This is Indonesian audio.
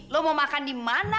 lo mau makan di mana